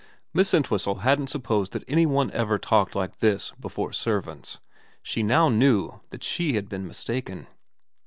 Miss Entwhistle hadn't supposed that any one ever talked like this before servants. She now knew that she had been mistaken.